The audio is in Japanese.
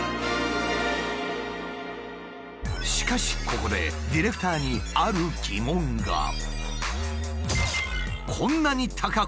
しかしここでディレクターにある疑問が。